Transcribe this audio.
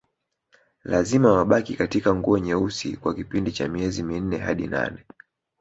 Lazima wabaki katika nguo nyeusi kwa kipindi cha miezi minne hadi nane